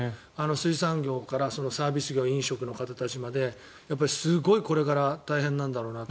水産業からサービス業飲食の方たちまですごいこれから大変なんだろうなと。